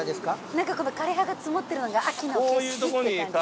なんかこの枯葉が積もってるのが秋の景色って感じ。